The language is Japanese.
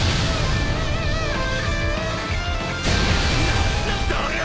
何なんだありゃ！